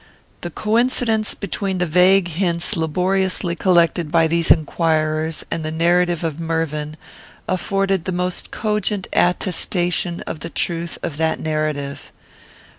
The coincidence between the vague hints laboriously collected by these inquirers, and the narrative of Mervyn, afforded the most cogent attestation of the truth of that narrative.